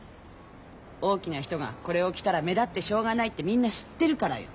大きな人がこれを着たら目立ってしょうがないってみんな知ってるからよ。